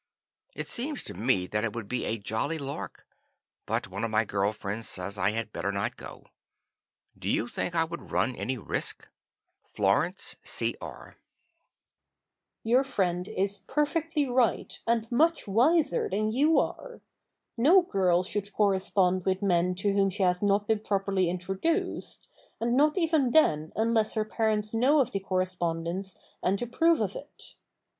It seems to me that it would be a jolly lark, but one of my girl friends says I had better not go. Do you think I would run any risk? "Florence C. R." Your friend is perfectly right and much wiser than you are. No girl should correspond with men to whom she has not been properly introduced, and not even then unless her parents know of the correspondence and approve of it.